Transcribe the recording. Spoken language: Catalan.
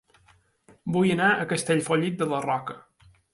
Vull anar a Castellfollit de la Roca